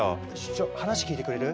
ちょっ話聞いてくれる？